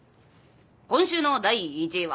今週の第１位は。